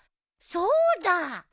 そうだ！